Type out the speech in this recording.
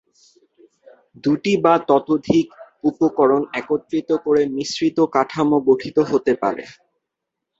দুটি বা ততোধিক উপকরণ একত্রিত করে মিশ্রিত কাঠামো গঠিত হতে পারে।